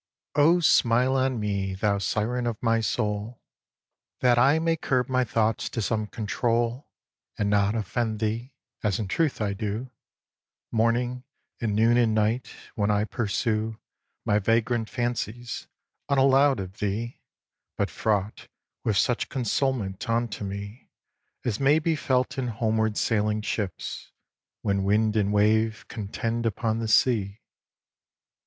Oh, smile on me, thou syren of my soul! That I may curb my thoughts to some control And not offend thee, as in truth I do, Morning, and noon and night, when I pursue My vagrant fancies, unallow'd of thee, But fraught with such consolement unto me As may be felt in homeward sailing ships When wind and wave contend upon the sea.